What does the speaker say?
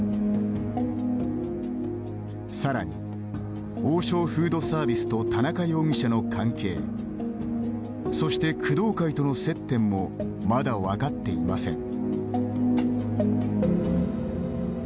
さらに、王将フードサービスと田中容疑者の関係そして、工藤会との接点もまだ分かっていません。